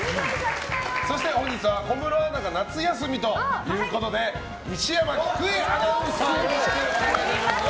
そして本日は小室アナが夏休みということで西山喜久恵アナウンサーよろしくお願いします。